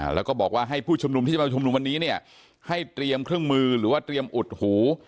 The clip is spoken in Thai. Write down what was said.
แล้วก็บอกว่าให้ผู้ชุมนุมที่จะมาชุมนุมวันนี้เนี่ยให้เตรียมเครื่องมือหรือว่าเตรียมอุดหู